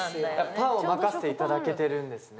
パンを任せていただけているんですね。